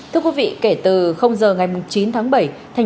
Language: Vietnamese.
thưa quý vị kể từ giờ ngày chín tháng bảy